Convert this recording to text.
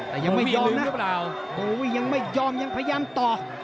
แต่ยังไม่ยอมนะเปล่าโอ้ยยังไม่ยอมยังพยายามต่อ